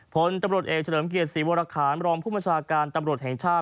ผลตำรวจเอกเฉลิมเกียรติศรีวรคารรองผู้บัญชาการตำรวจแห่งชาติ